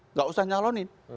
nggak usah nyalonin